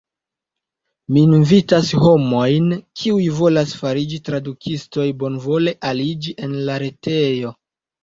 Mi invitas homojn kiuj volas fariĝi tradukistoj bonvole aliĝi en la retejo.